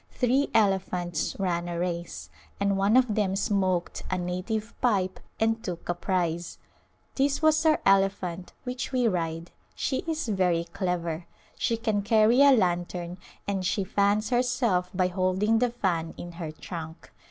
Three elephants ran a race, and one of them smoked a native pipe and took a prize. This was our elephant which we ride. She is very clever. She can carry a lantern, and she fans herself by holding the fan in her trunk.